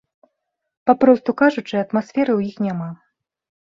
Папросту кажучы, атмасферы ў іх няма.